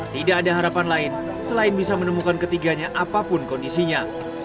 tidak ada harapan lain selain bisa menemukan ketiganya apapun kondisinya